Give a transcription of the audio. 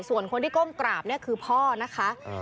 ส่วนคนที่ก้มกราบเนี่ยคือพ่อนะคะ